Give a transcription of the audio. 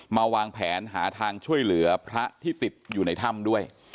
วางแผนหาทางช่วยเหลือพระที่ติดอยู่ในถ้ำด้วย